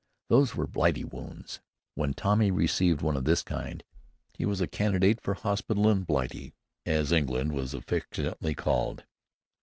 These were "Blightey wounds." When Tommy received one of this kind, he was a candidate for hospital in "Blightey," as England is affectionately called.